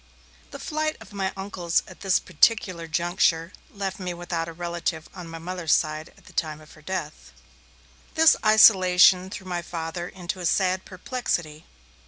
The flight of my uncles at this particular juncture left me without a relative on my Mother's side at the time of her death. This isolation threw my Father into a sad perplexity.